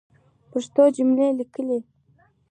پښتو جملی لیکل